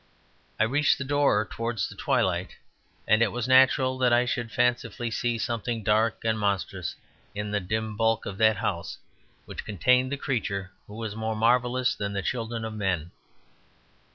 I reached the door towards the twilight, and it was natural that I should fancifully see something dark and monstrous in the dim bulk of that house which contained the creature who was more marvellous than the children of men.